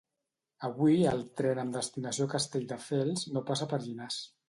Avui el tren amb destinació Castelldefels no passa per Llinars